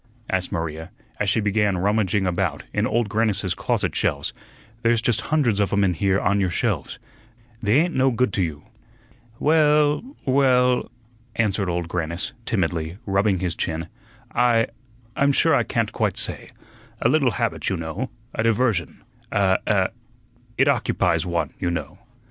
asked Maria, as she began rummaging about in Old Grannis's closet shelves. "There's just hundreds of 'em in here on yer shelves; they ain't no good to you." "Well, well," answered Old Grannis, timidly, rubbing his chin, "I I'm sure I can't quite say; a little habit, you know; a diversion, a a it occupies one, you know.